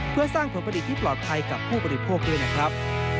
เพื่อสร้างผลผลิตที่ปลอดภัยกับผู้บริโภคด้วยนะครับ